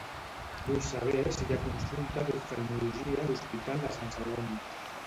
Vull saber si hi ha consulta d'oftalmologia a l'hospital de Sant Celoni.